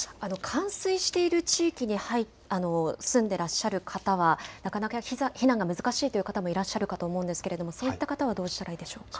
冠水している地域に住んでいらっしゃる方はなかなか避難が難しいという方もいらっしゃると思うんですけどそういった方はどうしたらいいでしょうか。